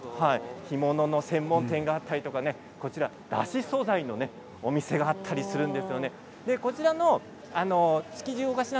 干物の専門店があったりだし総菜の店があったりしています。